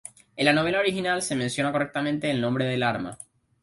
En la novela original se menciona correctamente el nombre del arma.